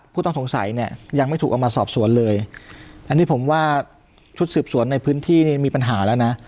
ผู้ต้องสงสัยเนี่ยยังไม่ถูกเอามาสอบสวนเลยอันนี้ผมว่าชุดสืบสวนในพื้นที่นี่มีปัญหาแล้วนะ